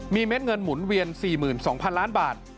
มีเม็ดเงินหมุนเวียน๔๒๐๐๐ล้านบาท